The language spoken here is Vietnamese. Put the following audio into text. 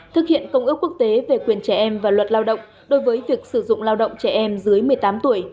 thực hiện công ước quốc tế về quyền trẻ em và luật lao động đối với việc sử dụng lao động trẻ em dưới một mươi tám tuổi